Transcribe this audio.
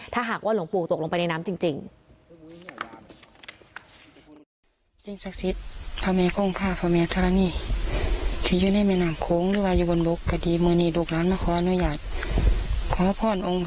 ถ้าหากว่าหลวงปู่ตกลงไปในน้ำจริง